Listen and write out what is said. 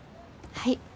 はい。